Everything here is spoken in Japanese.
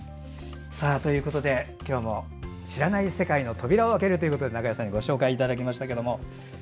今日も知らない世界の扉を開けるということで中江さんにご紹介いただきましたけれども。